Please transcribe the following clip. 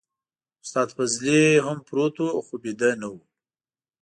استاد فضلي هم پروت و خو بيده نه و.